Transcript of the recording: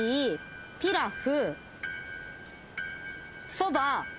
そば。